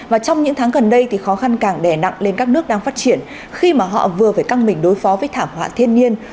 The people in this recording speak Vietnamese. và trong những tháng gần đây thì khó khăn càng đè nặng lên các nước đang phát triển khi mà họ vừa phải căng mình đối phó với thảm họa thiên nhiên